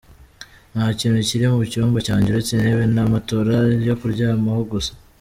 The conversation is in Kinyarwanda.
Nta kintu kiri mu cyumba cyanjye uretse intebe na matola yo kuryamaho gusa.